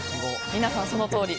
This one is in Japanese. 皆さん、そのとおり。